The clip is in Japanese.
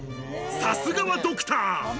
さすがはドクター。